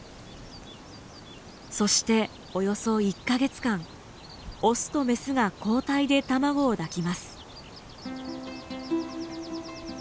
そしておそよ１か月間オスとメスが交代で卵を抱きます。